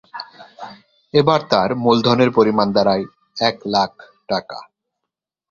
এবার তাঁর মুলধনের পরিমাণ দাঁড়ায় এক লাখ টাকা।